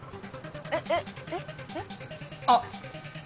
えっえっえっ？あっ！